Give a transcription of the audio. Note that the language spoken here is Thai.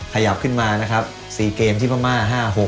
ขยับขึ้นมานะครับ๔เกมที่พม่า๕๖